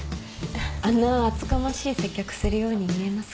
あんな厚かましい接客するように見えますか？